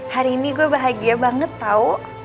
hari ini gue bahagia banget tau